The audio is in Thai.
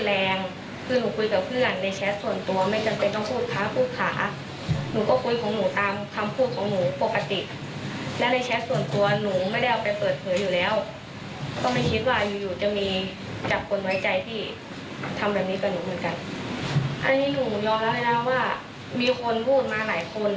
อันนี้หนูยอมรับเลยนะว่ามีคนพูดมาหลายคน